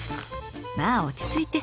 まあ落ち着いて。